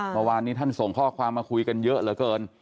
เมื่อวานนี้ท่านส่งข้อความมาคุยกันเยอะเหลือเกิน